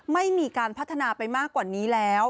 ไม่มีการพัฒนาไปมากกว่านี้แล้ว